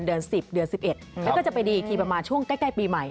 แล้วก็จะไปดีอีกทีประมาณช่วงใกล้ปีใหม่